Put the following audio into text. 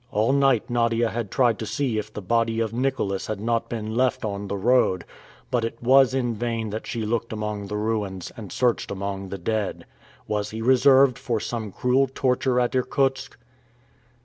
All night Nadia had tried to see if the body of Nicholas had not been left on the road, but it was in vain that she looked among the ruins, and searched among the dead. Was he reserved for some cruel torture at Irkutsk?